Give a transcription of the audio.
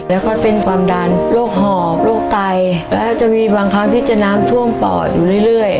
แล้วก็เป็นความดันโรคหอบโรคไตแล้วจะมีบางครั้งที่จะน้ำท่วมปอดอยู่เรื่อย